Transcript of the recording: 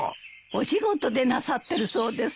お仕事でなさってるそうですね。